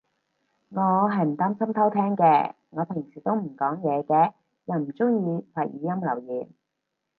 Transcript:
我係唔擔心偷聼嘅，我平時都唔講嘢嘅。又唔中意發語音留言